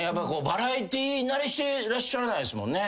バラエティー慣れしてらっしゃらないですもんね。